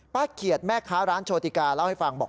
เขียดแม่ค้าร้านโชติกาเล่าให้ฟังบอก